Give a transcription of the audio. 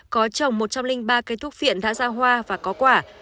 có trồng một trăm linh ba cây thuốc phiện đã ra hoa và có quả